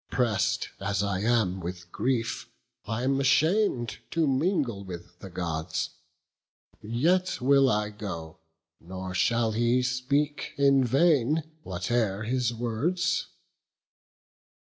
Press'd as I am with grief, I am asham'd To mingle with the Gods; yet will I go: Nor shall he speak in vain, whate'er his words."